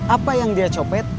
apa yang dia copet